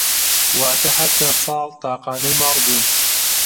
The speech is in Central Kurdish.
واتا هەر پێنج ساڵ تاقانەی ماڵ بووم